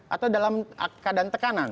atau dalam keadaan tekanan